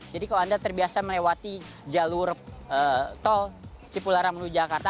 jadi kalau anda terbiasa melewati jalur tol cipularamunujakarta